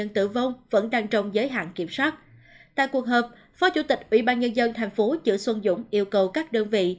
tại cuộc họp phó chủ tịch ủy ban nhân dân thành phố chữ xuân dũng yêu cầu các đơn vị